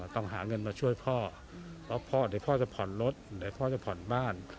ต้องหาเงินมาช่วยพ่อเพราะพ่อเดี๋ยวพ่อจะผ่อนรถเดี๋ยวพ่อจะผ่อนบ้าน